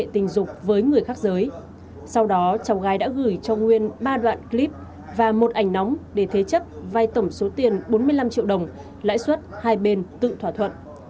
sau đó cháu gái đã gửi cho nguyên ba đoạn clip và một ảnh nóng để thế chấp vai tổng số tiền bốn mươi năm triệu đồng lãi suất hai bên tự thỏa thuận